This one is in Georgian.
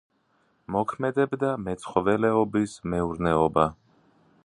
მოქმედებდა მეცხოველეობის მეურნეობა.